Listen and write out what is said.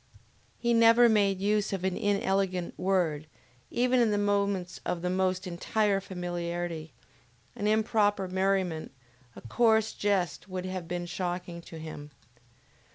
He never made use of an inelegant word, even in the moments of the most entire familiarity; an improper merriment, a coarse jest would have been shocking to him.